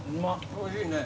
おいしいね。